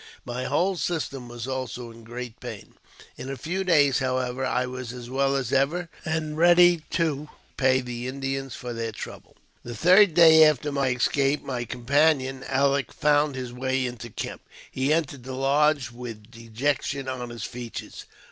My whole system was also in great pain. In a few days, however, I was as well as ever, and ready to repay the Indians for their trouble. The third day after my escape, my companion Aleck found his way into camp. He entered the lodge with dejection on his features.